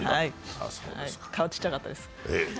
顔ちっちゃかったです。